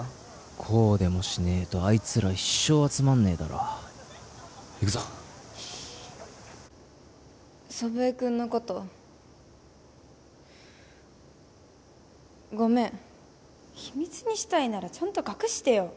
こうでもしねえとあいつら一生集まんねえだろ行くぞ祖父江君のことごめん秘密にしたいならちゃんと隠してよ